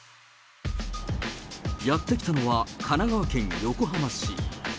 やって来たのは、神奈川県横浜市。